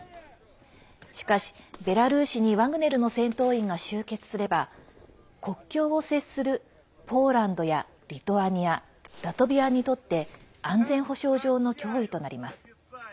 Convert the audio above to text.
しかし、ベラルーシにワグネルの戦闘員が集結すれば国境を接するポーランドやリトアニア、ラトビアにとって安全保障上の脅威となります。